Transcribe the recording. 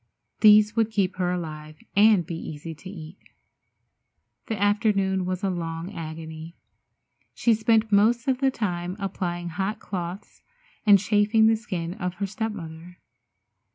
These would keep her alive and be easy to eat. The afternoon was a long agony. She spent most of the time applying hot cloths, and chafing the skin of her step mother.